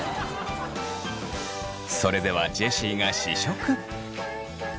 それではジェシーが試食。